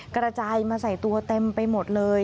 กระจายมาใส่ตัวเต็มไปหมดเลย